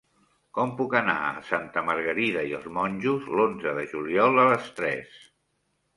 Com puc anar a Santa Margarida i els Monjos l'onze de juliol a les tres?